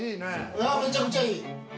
めちゃくちゃいい。